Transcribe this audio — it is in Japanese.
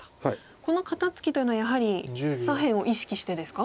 この肩ツキというのはやはり左辺を意識してですか？